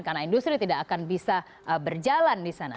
karena industri tidak akan bisa berjalan di sana